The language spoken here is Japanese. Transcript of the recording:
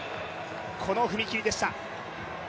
この踏み切りでした。